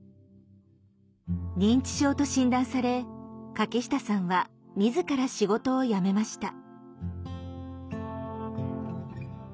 認知症と診断され柿下さんは自ら仕事を辞めました。